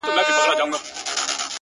صندان د محبت دي په هر واري مخته راسي;